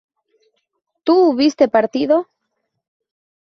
¿tú hubiste partido?